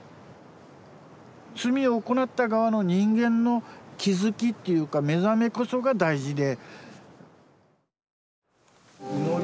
罪を行った側の人間の気付きっていうか目覚めこそが大事で。